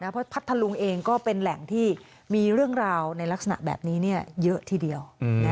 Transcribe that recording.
เพราะพัทธลุงเองก็เป็นแหล่งที่มีเรื่องราวในลักษณะแบบนี้เยอะทีเดียว